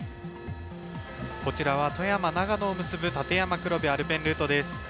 こちらは富山・長野を結ぶ立山黒部アルペンルートです。